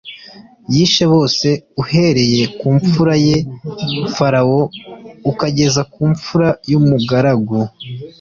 yishe bose uhereye ku mfura ya farawo ukageza ku mfura y’ umugaragu